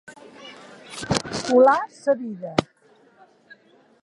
Colar sa vida.